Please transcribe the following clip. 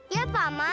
iya pak man